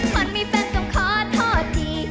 คนมีแฟนต้องขอโทษดี